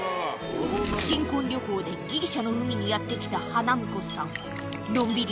新婚旅行でギリシャの海にやって来た花婿さん